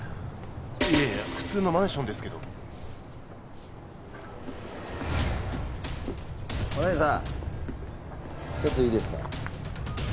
いやいや普通のマンションですけどおねえさんちょっといいですか？